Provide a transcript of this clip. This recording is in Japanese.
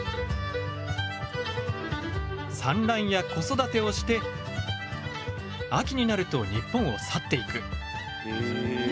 産卵や子育てをして秋になると日本を去っていく。